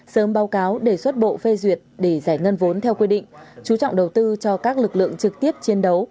sớm báo cáo đề xuất bộ phê duyệt để giải ngân vốn theo quy định chú trọng đầu tư cho các lực lượng trực tiếp chiến đấu